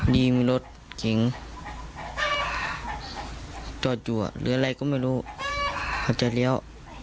ดีมีรถเก่งจัดจัวหรืออะไรก็ไม่รู้มันจะเลี้ยว